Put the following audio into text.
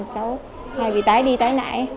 cháu bị tái đi tái nại